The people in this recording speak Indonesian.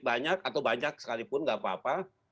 banyak atau banyak sekalipun nggak apa apa